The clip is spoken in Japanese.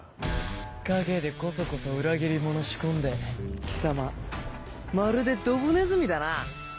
陰でコソコソ裏切り者仕込んで貴様まるでドブネズミだなぁ。